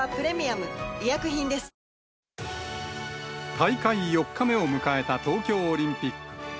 大会４日目を迎えた東京オリンピック。